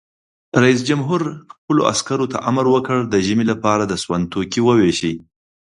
رئیس جمهور خپلو عسکرو ته امر وکړ؛ د ژمي لپاره د سون توکي وویشئ!